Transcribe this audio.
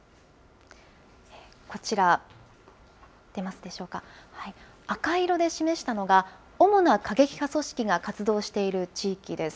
こちら、出ますでしょうか、赤色で示したのが、主な過激派組織が活動している地域です。